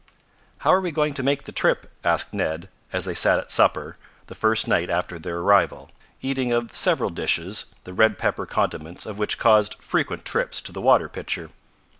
"How are we going to make the trip?" asked Ned, as they sat at supper, the first night after their arrival, eating of several dishes, the red pepper condiments of which caused frequent trips to the water pitcher.